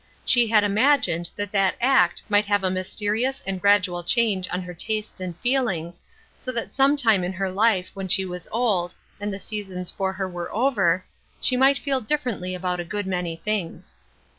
She had imagined that that act might have a mysterious and gradual change on her tastes and feelings, so that some time in her life, when she was old, and the seasons for her were over, she might feel differently about a good many things.